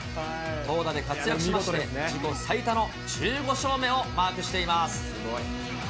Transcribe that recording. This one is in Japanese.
投打で活躍しまして、自己最多の１５勝目をマークしています。